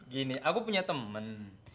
gini aku punya temen